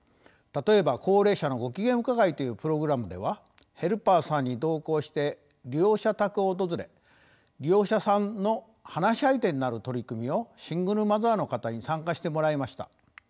例えば高齢者のご機嫌伺いというプログラムではヘルパーさんに同行して利用者宅を訪れ利用者さんの話し相手になる取り組みをシングルマザーの方に参加してもらいました。